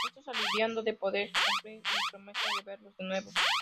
Estoy aliviado de poder cumplir mi promesa de verlos de nuevo.